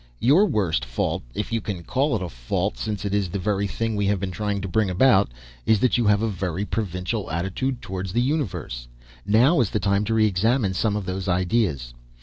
Your worst fault if you can call it a fault, since it is the very thing we have been trying to bring about is that you have a very provincial attitude towards the universe. Now is the time to re examine some of those ideas.